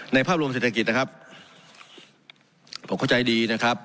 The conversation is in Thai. ภาพรวมเศรษฐกิจนะครับผมเข้าใจดีนะครับ